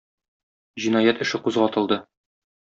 Җинаять эше кузгатылды.